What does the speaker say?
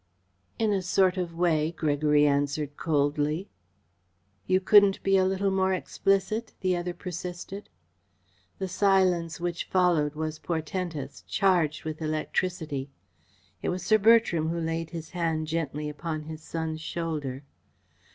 "In a sort of way," Gregory answered coldly. "You couldn't be a little more explicit?" the other persisted. The silence which followed was portentous, charged with electricity. It was Sir Bertram who laid his hand gently upon his son's shoulder.